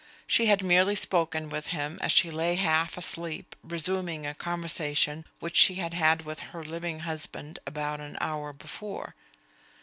She had merely spoken with him as she lay half asleep, resuming a conversation which she had had with her living husband about an hour before.